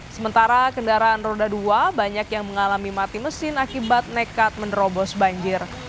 sementara kendaraan roda dua banyak yang mengalami mati mesin akibat nekat menerobos banjir